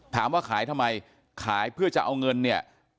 ถามว่าขายทำไมขายเพื่อจะเอาเงินเนี่ย